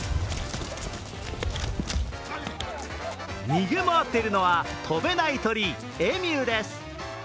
逃げ回っているのは、飛べない鳥エミューです。